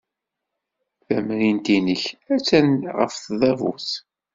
Tamrint-nnek attan ɣef tdabut.